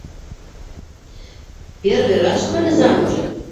Первый раз что ли замужем?